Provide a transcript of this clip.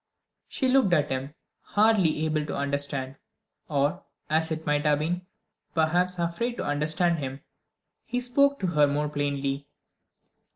She looked at him, hardly able to understand or, as it might have been, perhaps afraid to understand him. He spoke to her more plainly.